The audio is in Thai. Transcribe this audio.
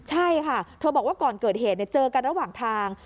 ใช่ค่ะเธอบอกว่าก่อนเกิดเหตุเจอกันระหว่างทาง